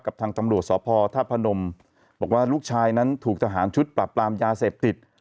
กับทางตำรวจสพธาตุพนมบอกว่าลูกชายนั้นถูกทหารชุดปรับปรามยาเสพติด